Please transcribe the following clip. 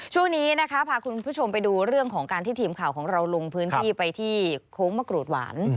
ช่วงนี้นะคะพาคุณผู้ชมไปดูเรื่องของการที่ทีมข่าวของเราลงพื้นที่ไปที่โค้งมะกรูดหวาน